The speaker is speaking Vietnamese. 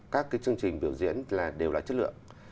các chương trình biểu diễn đều là chất lượng